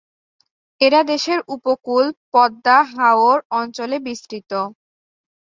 এরা দেশের উপকূল, পদ্মা, হাওর অঞ্চলে বিস্তৃত।